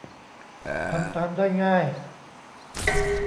ทำตามได้ง่าย